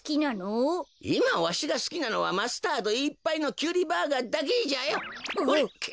いまわしがすきなのはマスタードいっぱいのキュウリバーガーだけじゃよ！